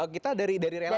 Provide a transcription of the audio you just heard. kita dari relawan